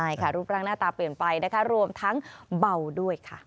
ใช่ค่ะรูปร่างหน้าตาเปลี่ยนไปนะคะรวมทั้งเบาด้วยค่ะ